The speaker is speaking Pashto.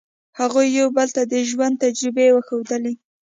هغوی یو بل ته د ژوند تجربې وښودلې.